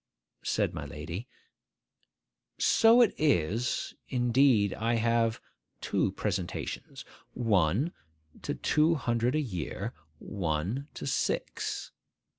Said my lady, 'So it is: indeed I have two presentations,—one to two hundred a year, one to six.